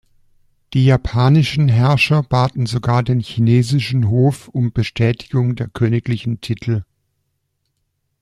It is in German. Die japanischen Herrscher baten sogar den chinesischen Hof um Bestätigung der königlichen Titel.